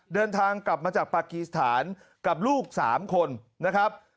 เดินทางกลับมาจากปากีสถานกับลูก๓คนนะครับ